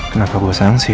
kenapa gue sangsi ya